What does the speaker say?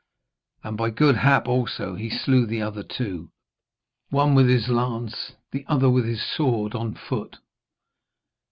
And by good hap also he slew the other two, one with his lance, the other with his sword on foot.